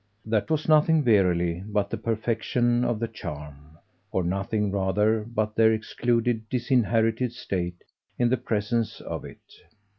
That was nothing verily but the perfection of the charm or nothing rather but their excluded disinherited state in the presence of it.